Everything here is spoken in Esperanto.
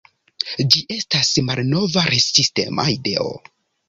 Ĝi estas malnova rezistema ideo?